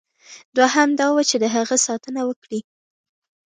دوهم دا وه چې د هغه ساتنه وکړي.